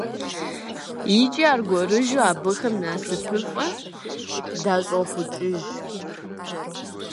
ИкӀи аргуэрыжьу абыхэм насыпыфӀэ дащӀохъукӀыж.